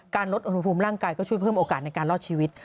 ลดอุณหภูมิร่างกายก็ช่วยเพิ่มโอกาสในการรอดชีวิต